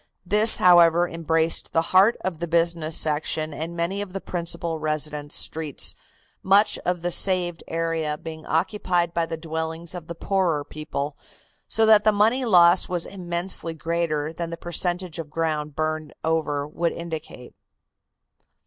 This, however, embraced the heart of the business section and many of the principal residence streets, much of the saved area being occupied by the dwellings of the poorer people, so that the money loss was immensely greater than the percentage of ground burned over would indicate.